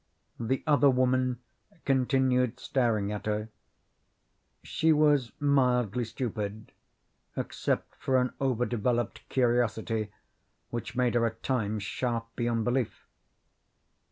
The other woman continued staring at her; she was mildly stupid, except for an over developed curiosity which made her at times sharp beyond belief.